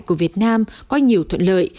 của việt nam có nhiều thuận lợi